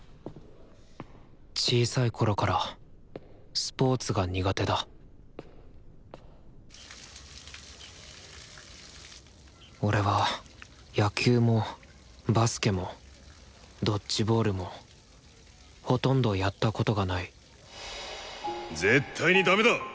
小さいころからスポーツが苦手だ俺は野球もバスケもドッジボールもほとんどやったことがない絶対にダメだ！